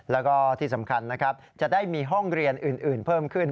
แล้วก็ที่สำคัญนะครับจะได้มีห้องเรียนอื่นเพิ่มขึ้น